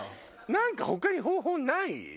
何か他に方法ない？